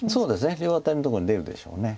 両アタリのとこに出るでしょう。